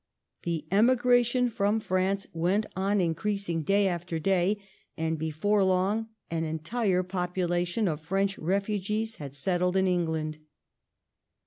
The emigration from France went on increasing day after day, and before long an entire population of French refugees had settled in England.